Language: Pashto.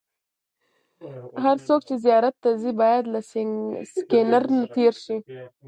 هر څوک چې زیارت ته ځي باید له سکېنر نه تېر شي.